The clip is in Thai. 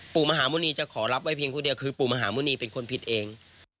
ปู่มหาหมุณีจะขอรับไว้เพียงผู้เดียวคือปู่มหาหมุณีเป็นคนผิดเอง